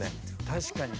確かに。